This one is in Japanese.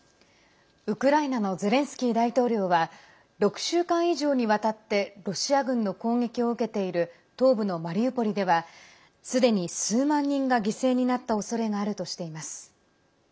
ウクライナのゼレンスキー大統領は６週間以上にわたってロシア軍の攻撃を受けている東部のマリウポリではすでに数万人が犠牲になったおそれがあるとしています。